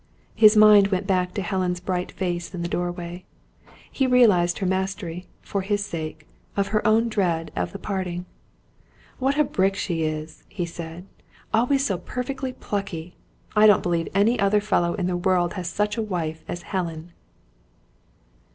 His mind went back to Helen's bright face in the doorway. He realised her mastery, for his sake, of her own dread of the parting. "What a brick she is!" he said. "Always so perfectly plucky. I don't believe any other fellow in the world has such a wife as Helen!"